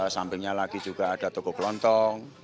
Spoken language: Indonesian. sampingnya lagi juga ada toko kelontong